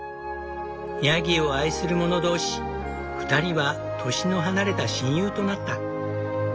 ヤギを愛する者同士２人は年の離れた親友となった。